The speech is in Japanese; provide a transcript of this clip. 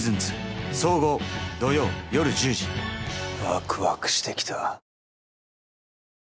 ワクワクしてきた。